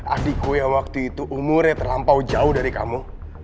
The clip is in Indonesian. adikku yang waktu itu umurnya terlampau jauh dari kamu